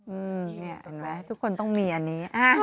เห็นไหมทุกคนต้องมีอันนี้